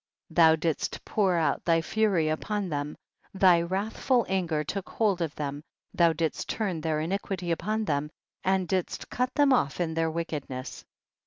12. Thou didst pour out thy fury upon them, thy wrathful anger took hold of them, thou didst turn their iniquity upon them, and didst cut them off in their wickedness.